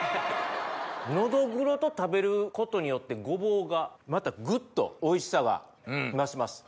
のどぐろと食べることによってごぼうがまたぐっとおいしさが増します。